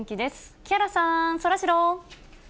木原さん、そらジロー。